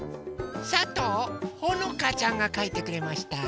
さとうほのかちゃんがかいてくれました。